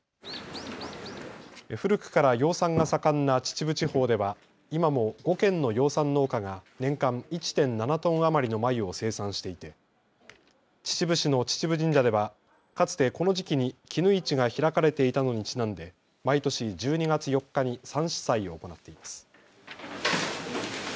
古くから養蚕が盛んな秩父地方では今も５軒の養蚕農家が年間１．７トン余りの繭を生産していて秩父市の秩父神社ではかつて、この時期に絹市が開かれていたのにちなんで毎年１２月４日に蚕糸祭を行っています。